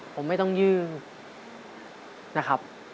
ผมไม่ต้องยื่นนะครับ